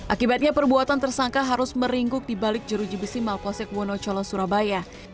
akibatnya perbuatan tersangka harus meringkuk di balik jeruji besi malposek wonocolo surabaya